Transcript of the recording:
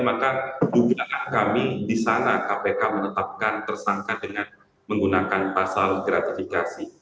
maka dugaan kami di sana kpk menetapkan tersangka dengan menggunakan pasal gratifikasi